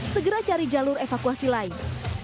segera cari jalur evakuasi lain